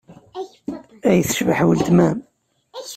Ay tecbeḥ weltma-m!